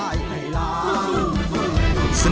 ร้องได้ให้ร้าง